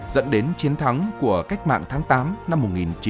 dẫn đến chiến thắng của cách mạng tháng tám năm một nghìn chín trăm bốn mươi năm